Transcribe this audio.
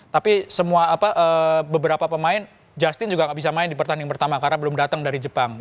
tapi semua beberapa pemain justin juga nggak bisa main di pertandingan pertama karena belum datang dari jepang